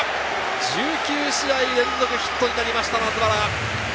１９試合連続ヒットになりました、松原。